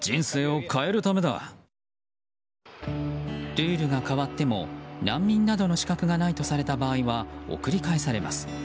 ルールが変わっても難民などの資格がないとされた場合は送り返されます。